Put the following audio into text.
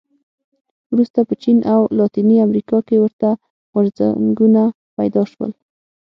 وروسته په چین او لاتینې امریکا کې ورته غورځنګونه پیدا شول.